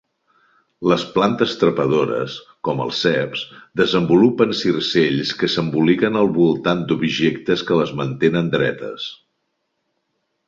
Les plantes trepadores, com els ceps, desenvolupen circells que s'emboliquen al voltant d'objectes que les mantenen dretes.